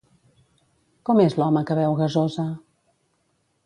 Com és l'home que beu gasosa?